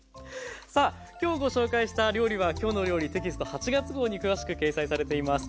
さあ今日ご紹介した料理は「きょうの料理」テキスト８月号に詳しく掲載されています。